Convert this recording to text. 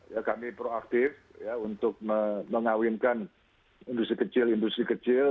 ya kami proaktif untuk mengawinkan industri kecil industri kecil